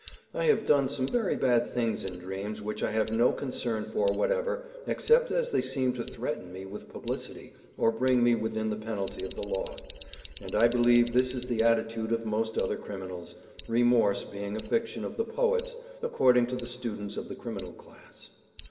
I have done some very bad things in dreams which I have no concern for whatever, except as they seem to threaten me with publicity or bring me within the penalty of the law; and I believe this is the attitude of most other criminals, remorse being a fiction of the poets, according to the students of the criminal class.